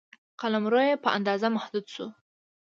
قلمرو یې په اندازه محدود شو.